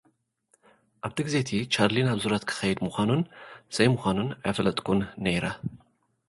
ኣብቲ ግዜ'ቲ፡ ቻርሊ ናብ ዙረት ክኸይድ ምዃኑን ዘይምዃኑን ኣይፈለጥኩን ነይረ።